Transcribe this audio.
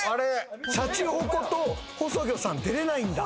シャチホコと細魚さん出れないんだ。